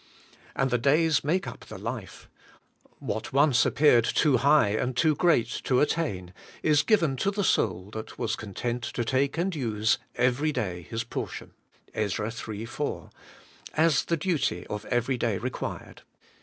And the days make up the life: what once appeared too high and too great to attain, is given to the soul that was con tent to take and use *every day his portion' {Ezra in. 4) , 'as the duty of every day required.'